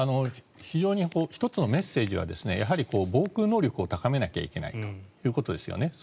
非常に１つのメッセージはやはり防空能力を高めないといけないということですよね。